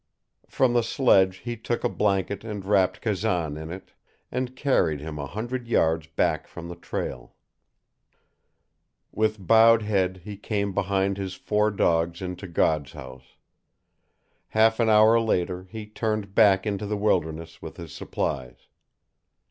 From the sledge he took a blanket and wrapped Kazan in it, and carried him a hundred yards back from the trail. With bowed head he came behind his four dogs into God's House. Half an hour later he turned back into the wilderness with his supplies.